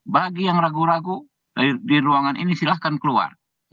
bagi yang ragu ragu di ruangan ini silahkan keluar